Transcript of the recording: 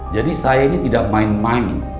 jadi saya ini tidak main main